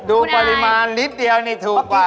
ดูปริมาณลิตรเดียวนี่ถูกกว่า